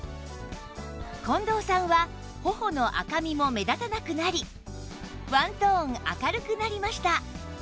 近藤さんは頬の赤みも目立たなくなりワントーン明るくなりました